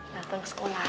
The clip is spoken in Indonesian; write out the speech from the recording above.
datang ke sekolah